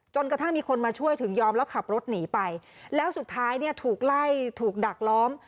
กระทั่งมีคนมาช่วยถึงยอมแล้วขับรถหนีไปแล้วสุดท้ายเนี่ยถูกไล่ถูกดักล้อม